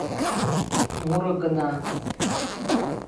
Муро гына